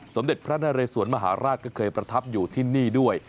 สมเด็จพระนเรสวนมหาราชก็เคยประทับอยู่ที่นี่ด้วย